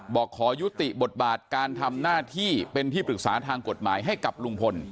บอกขอยุติบทบาทการทำหน้าที่เป็นที่ปรึกษาทางกฎหมายให้กับลุงพล